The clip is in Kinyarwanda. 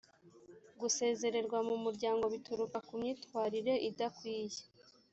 gusezererwa mu muryango bituruka ku myitwarire idakwiye